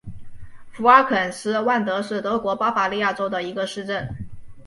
福尔肯施万德是德国巴伐利亚州的一个市镇。